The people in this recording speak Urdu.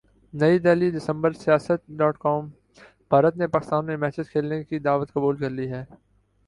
نئی دہلی دسمبر سیاست ڈاٹ کام بھارت نے پاکستان میں میچز کھیلنے کی دعوت قبول کر لی ہے